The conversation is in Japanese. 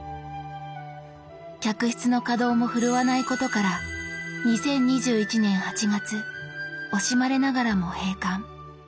客室の稼働も振るわないことから２０２１年８月惜しまれながらも閉館。